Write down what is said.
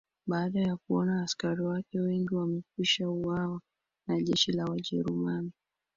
Baada ya kuona askari wake wengi wamekwisha uwawa na jeshi la wajerumani